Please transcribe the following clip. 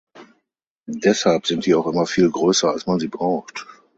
Deshalb sind die auch immer viel größer als man sie braucht.